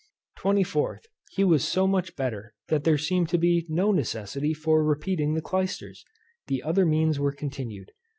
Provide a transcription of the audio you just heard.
24th, He was so much better, that there seemed to be no necessity for repeating the clysters: the other means were continued.